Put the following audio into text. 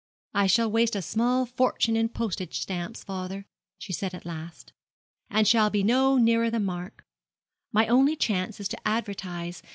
'I shall waste a small fortune in postage stamps, father,' she said at last, 'and shall be no nearer the mark. My only chance is to advertise.